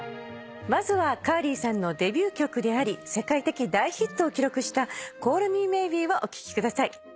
まずはカーリーさんのデビュー曲であり世界的大ヒットを記録した『ＣａｌｌＭｅＭａｙｂｅ』をお聴きください。